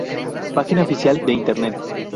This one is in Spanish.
Página oficial de internet